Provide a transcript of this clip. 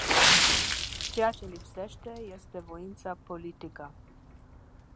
Ceea ce lipsește este voința politică.